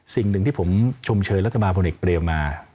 สิ่งหนึ่งที่ผมชมเชิญรัฐบาลพลเอกเบรมมา